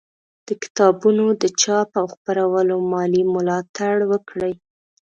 د کتابونو د چاپ او خپرولو مالي ملاتړ وکړئ